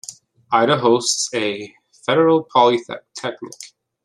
Idah hosts a federal polytechnic.